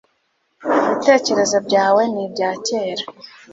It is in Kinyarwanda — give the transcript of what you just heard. Ibitekerezo byawe ni ibya kera.